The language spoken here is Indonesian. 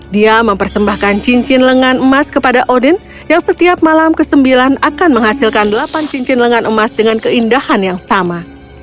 dia mempersembahkan cincin lengan emas kepada odin yang setiap malam ke sembilan akan menghasilkan delapan cincin lengan emas dengan keindahan yang sama